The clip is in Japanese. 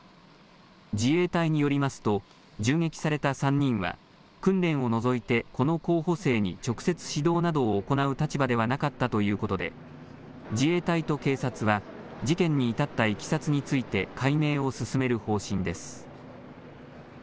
自衛隊によりますと銃撃された３人は訓練を除いてこの候補生に直接指導などを行う立場ではなかったということで自衛隊と警察は事件に至ったいきさつについて解明を進める方針です。